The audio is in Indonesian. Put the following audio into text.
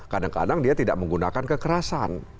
kadang kadang dia tidak menggunakan kekerasan